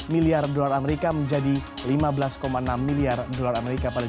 dua belas satu miliar dolar amerika menjadi lima belas enam miliar dolar amerika